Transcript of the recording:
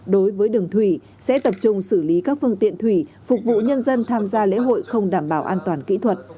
đối với đường thủy sẽ tập trung xử lý các phương tiện thủy phục vụ nhân dân tham gia lễ hội không đảm bảo an toàn kỹ thuật